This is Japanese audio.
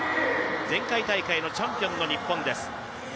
前回大会のチャンピオンの日本です。